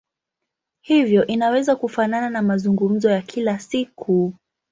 Hivyo inaweza kufanana na mazungumzo ya kila siku.